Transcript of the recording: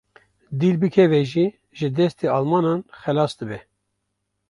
Dîl bikeve jî ji destê Almanan xelas dibe?